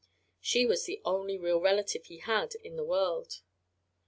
She was the only real relative he had in the world.